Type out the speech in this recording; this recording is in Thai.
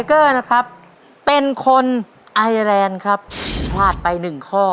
เกอร์นะครับเป็นคนไอแลนด์ครับพลาดไปหนึ่งข้อ